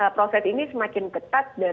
proses ini semakin ketat dan